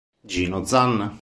Gino Zanna